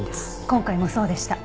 今回もそうでした。